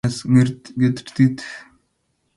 ng'es kertit